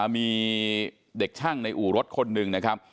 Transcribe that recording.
มีเด็กช่างในอู่รถคนหนึ่งนะครับ